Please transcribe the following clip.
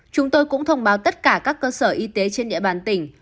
chúng tôi cũng thông báo tất cả các cơ sở y tế trên địa bàn tỉnh